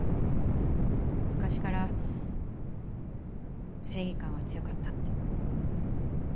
昔から正義感は強かったって。